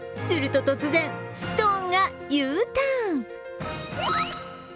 すると、突然、ストーンがＵターン。